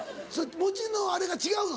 餅のあれが違うの？